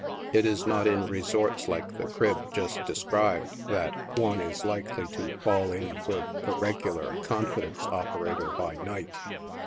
It is not in resorts like the crib just described," that one is likely to fall in with the regular " Confidence Operator," by night.